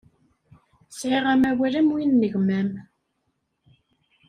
Sɛiɣ amawal am win n gma-m.